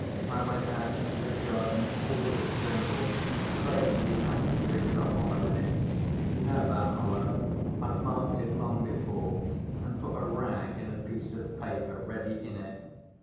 I went out into the garden all of a tremble, straight to the apple‐tree with a hollow in it—you know that hollow. I'd marked it long before and put a rag and a piece of paper ready in it.